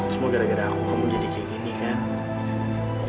semoga gara gara aku kamu jadi kayak gini kan